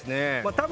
多分。